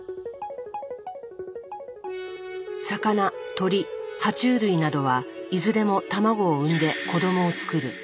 魚鳥は虫類などはいずれも卵を産んで子どもをつくる。